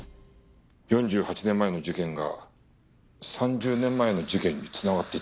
４８年前の事件が３０年前の事件に繋がっていたか。